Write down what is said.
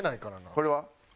これは？